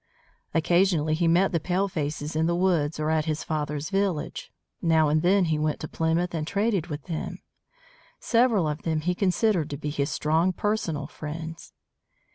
Occasionally he met the palefaces in the woods or at his father's village. Now and then he went to Plymouth and traded with them. Several of them he considered to be his strong personal friends.